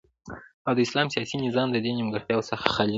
او د اسلام سیاسی نظام ددی نیمګړتیاو څخه خالی دی